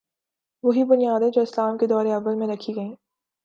وہی بنیادیں جو اسلام کے دور اوّل میں رکھی گئیں۔